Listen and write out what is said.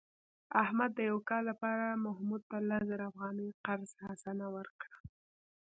احمد د یو کال لپاره محمود ته لس زره افغانۍ قرض حسنه ورکړه.